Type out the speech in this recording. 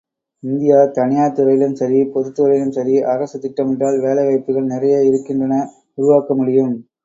India, தனியார் துறையிலும் சரி, பொதுத்துறையிலும் சரி, அரசு திட்டமிட்டால் வேலை வாய்ப்புக்கள் நிறைய இருக்கின்றன உருவாக்க முடியும்.